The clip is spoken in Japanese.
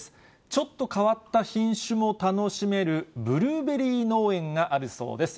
ちょっと変わった品種も楽しめるブルーベリー農園があるそうです。